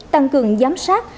tăng cường giám sát